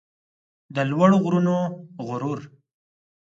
د لوړو غرونو غرور